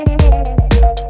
kau mau kemana